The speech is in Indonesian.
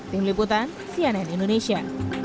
tim liputan cnn indonesia